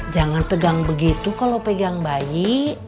jangan tegang begitu kalau pegang bayi